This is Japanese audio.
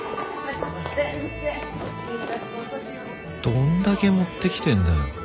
どんだけ持ってきてんだよ。